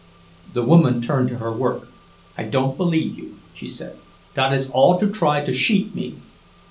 The woman turned to her work. "I don't believe you," she said. "Dot is all to try to sheat me.